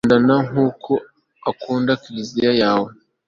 bakundana nk'uko ukunda kiliziya yawe